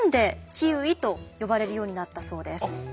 「キウイ」と呼ばれるようになったそうです。